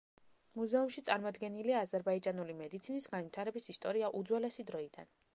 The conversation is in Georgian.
მუზეუმში წარმოდგენილია აზერბაიჯანული მედიცინის განვითარების ისტორია უძველესი დროიდან.